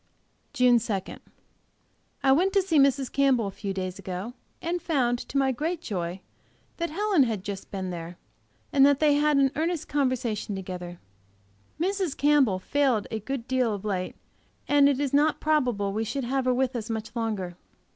JUNE 2. I went to see Mrs. Campbell a few days ago, and found, to my great joy, that Helen had just been there, and that they had had an earnest conversation together. Mrs. Campbell failed a good deal of late, and it is not probable we shall have her with us much longer.